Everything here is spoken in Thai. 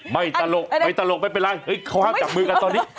ตลกไม่ตลกไม่เป็นไรเฮ้ยเขาห้ามจับมือกันตอนนี้